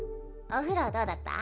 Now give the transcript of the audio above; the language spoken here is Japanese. お風呂どうだった？